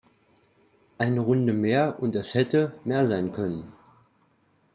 Eine Runde mehr und es "hätte" mehr sein "können".